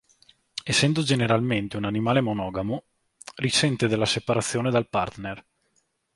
Essendo generalmente un animale monogamo, risente della separazione dal partner.